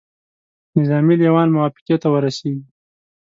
نظامي لېوان موافقې ته ورسیږي.